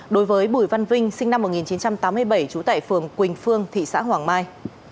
đối với bùi văn vinh sinh năm một nghìn chín trăm tám mươi bảy trú tại phường quỳnh phương thị xã hoàng mai